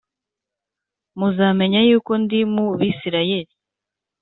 Muzamenya yuko ndi mu bisirayeli